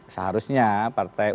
seharusnya partai umat